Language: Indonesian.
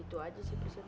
itu aja sih priscil